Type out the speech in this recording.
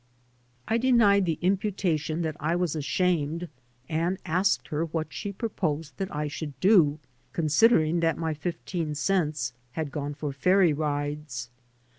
94 I VENTURES AND ADVENTURES I denied the imputation that I was ashamed, and asked her what she proposed that I should do, con sidering that my fifteen cents had gone for ferry rides.